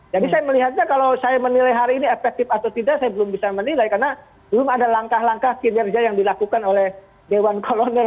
jadi saya melihatnya kalau saya menilai hari ini efektif atau tidak saya belum bisa menilai karena belum ada langkah langkah kinerja yang dilakukan oleh dewan kolonel